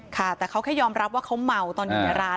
ค่ะแต่เขาแค่ยอมรับว่าเขาเมาตอนอยู่ในร้าน